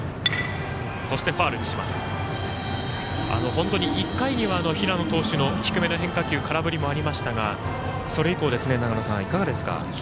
本当に１回には平野投手の低めの変化球空振りもありましたがそれ以降、長野さんいかがですか？